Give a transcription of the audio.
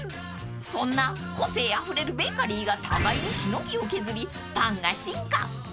［そんな個性あふれるベーカリーが互いにしのぎを削りパンが進化］